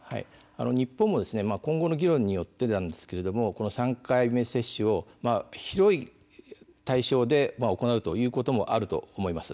日本は今後の議論によってですがこの３回目接種を広い対象で行うこともあると思います。